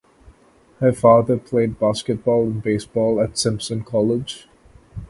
Her father played basketball and baseball at Simpson College.